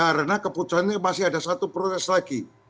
karena keputusannya masih ada satu proses lagi